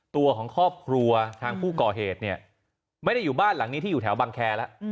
ตัวของครอบครัวทางผู้ก่อเหตุเนี่ยไม่ได้อยู่บ้านหลังนี้ที่อยู่แถวบังแคร์แล้ว